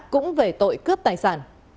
cũng về tội cướp tài sản